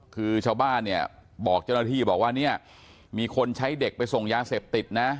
คือชาวบ้านเนี่ยบอกเจ้าหน้าที่บอกว่าเนี่ยมีคนใช้เด็กไปส่งยาเสพติดนะ